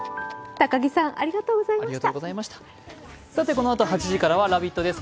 このあと８時からは「ラヴィット！」です。